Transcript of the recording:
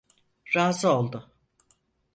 Razı oldu.